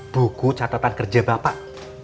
buku catatan kerja bapak